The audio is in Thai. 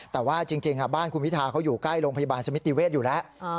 แต่ว่าจริงบ้านคุณพิทาเขาอยู่ใกล้โรงพยาบาลสมิติเวศอยู่แล้ว